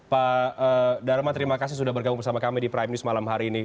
pak dharma terima kasih sudah bergabung bersama kami di prime news malam hari ini